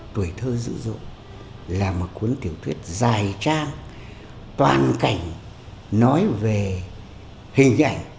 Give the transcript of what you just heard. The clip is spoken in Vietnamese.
tuổi thơ dữ dội là một cuốn tiểu thuyết dài trang toàn cảnh nói về hình ảnh